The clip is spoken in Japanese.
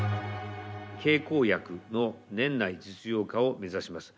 経口薬の年内実用化を目指します。